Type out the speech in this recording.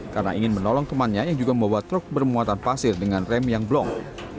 karena ingin menolong temannya yang juga membawa truk bermuatan pasir dengan rem yang blong